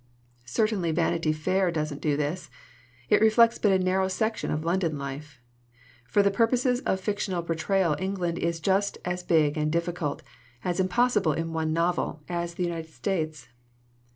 "Certainly Vanity Fair doesn't do this. It re flects but a very narrow section of London life. For the purposes of fictional portrayal England is just as big and difficult as impossible in one novel as the United States.